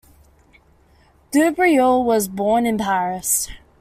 Dubreuil was born in Paris.